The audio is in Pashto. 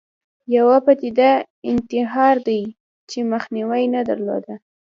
یوه پدیده انتحار دی چې مخینه نه درلوده